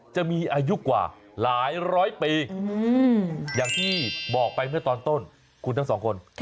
จะมีอายุกว่าหลายร้อยปีอย่างที่บอกไปเมื่อตอนต้นคุณทั้งสองคน